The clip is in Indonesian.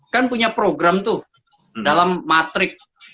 kan punya program tuh dalam matrik